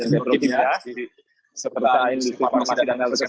seperti lain industri farmasi dan elektris